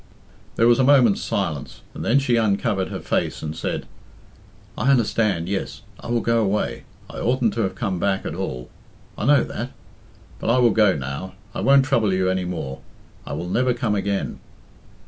There was a moment's silence, and then she uncovered her face and said, "I understand yes, I will go away. I oughtn't to have come back at all I know that. But I will go now. I won't trouble you any more. I will never come again."